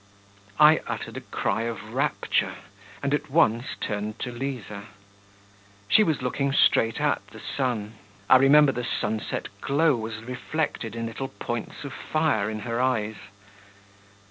I uttered a cry of rapture and at once turned to Liza. She was looking straight at the sun. I remember the sunset glow was reflected in little points of fire in her eyes.